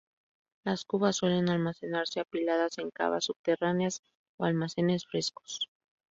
Las cubas suelen almacenarse apiladas en cavas subterráneas o almacenes frescos.